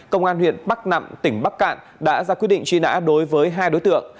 công an huyện bắc nẵm tỉnh bắc cạn đã ra quyết định truy nã đối với hai đối tượng